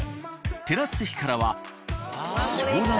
テラス席からは。